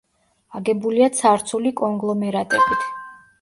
აგებულია ცარცული კონგლომერატებით.